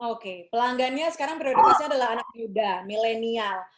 oke pelanggannya sekarang prioritasnya adalah anak muda milenial